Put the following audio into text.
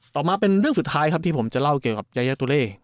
ต่อมาเป็นเรื่องสุดท้ายครับที่ผมจะเล่าเกี่ยวกับยายาตุเล่